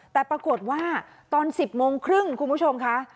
แต่ปรากฏว่าตอน๑๐โมงครึ่งคุณผู้ชมค่ะ